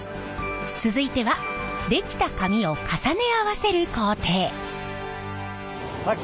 続いては出来た紙を重ね合わせる工程。